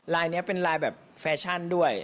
ลายนี้เป็นลายแบบแฟชั่นด้วย